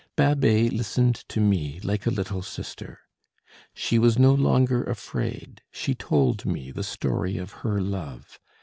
Babet listened to me like a little sister. She was no longer afraid, she told me the story of her love.